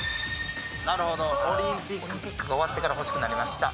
なるほどオリンピック・終わってから欲しくなりました